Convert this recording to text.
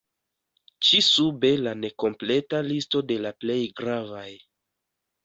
Ĉi sube la nekompleta listo de la plej gravaj.